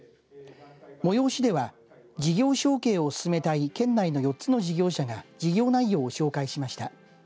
催しでは事業承継を進めたい県内の４つの事業者が事業内容を紹介しました。